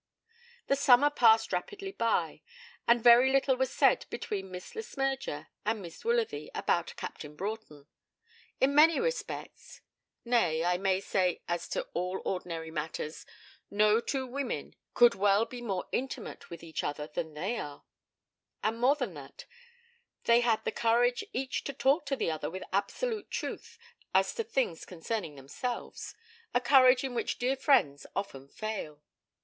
The summer passed rapidly by, and very little was said between Miss Le Smyrger and Miss Woolsworthy about Captain Broughton. In many respects nay, I may say, as to all ordinary matters, no two women could well be more intimate with each other than they were; and more than that, they had the courage each to talk to the other with absolute truth as to things concerning themselves a courage in which dear friends often fail.